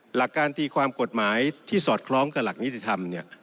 หลักการตีความกฎหมายที่สอดคล้องกับหลักนิติธรรมเนี่ย